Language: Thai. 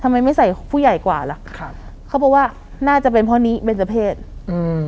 ไม่ใส่ผู้ใหญ่กว่าล่ะครับเขาบอกว่าน่าจะเป็นเพราะนี้เป็นเจ้าเพศอืม